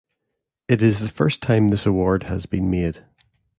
It is the first time this award has been made.